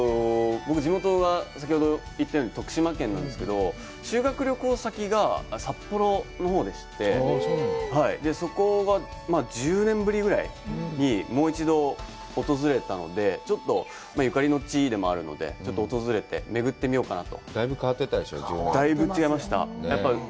僕、地元が、先ほど言ったように徳島県なんですけど、修学旅行先が札幌のほうでして、そこが１０年ぶりぐらいにもう一度、訪れたので、ちょっとゆかりの地でもあるので、ちょっと訪れて巡ってみようかなと。